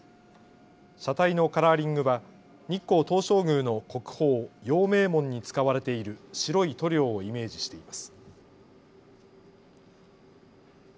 車体のカラーリングは日光東照宮の国宝、陽明門に使われている白い塗料をイメージしています。